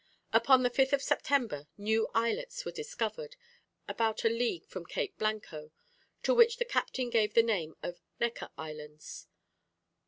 Upon the 5th of September new islets were discovered, about a league from Cape Blanco, to which the captain gave the name of Necker Islands.